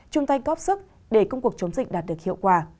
chúng ta góp sức để công cuộc chống dịch đạt được hiệu quả